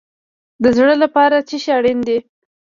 د زړه لپاره څه شی اړین دی؟